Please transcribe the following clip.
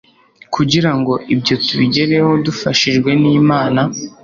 kugira ngo ibyo tubigereho dufashijwe nImana